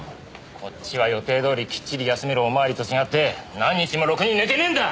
こっちは予定どおりきっちり休めるお巡りと違って何日もろくに寝てねえんだ！